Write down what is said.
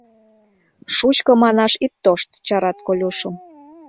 — Шучко манаш ит тошт! — чарат Колюшым.